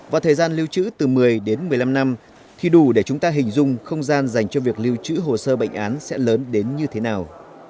và thời gian lưu trữ từ một mươi đến một mươi năm năm khi đủ để chúng ta hình dung không gian dành cho việc lưu trữ hồ sơ bệnh án sẽ lớn đến như thế nào